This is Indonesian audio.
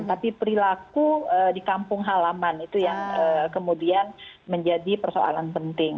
tapi perilaku di kampung halaman itu yang kemudian menjadi persoalan penting